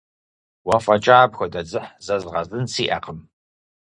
Уэ фӀэкӀа апхуэдэ дзыхь зэзгъэзын сиӀэкъым.